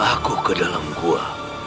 aku ke dalam gua